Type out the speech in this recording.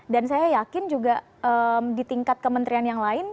dan saya yakin juga di tingkat kementerian yang lain